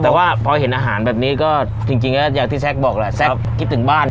แต่ว่าพอเห็นอาหารแบบนี้ก็จริงก็อย่างที่แซคบอกแหละแซ็กคิดถึงบ้าน